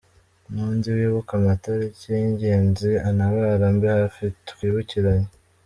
N’undi wibuka amataliki y’ingenzi antabare ambe hafi twibukiranye.